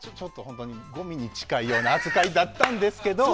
ごみに近いような扱いだったんですけど。